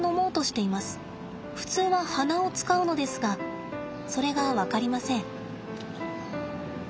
普通は鼻を使うのですがそれが分かりません。